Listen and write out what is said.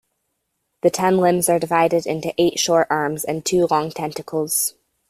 The ten limbs are divided into eight short arms and two long tentacles.